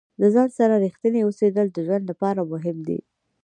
د ځان سره ریښتیني اوسیدل د ژوند لپاره مهم دي.